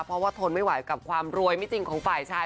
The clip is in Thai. เพราะว่าทนไม่ไหวกับความรวยไม่จริงของฝ่ายชาย